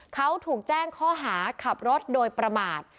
เขาถูกแจ้งข้อหาขับรถโดยประมาท